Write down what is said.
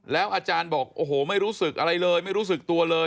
อาจารย์บอกโอ้โหไม่รู้สึกอะไรเลยไม่รู้สึกตัวเลย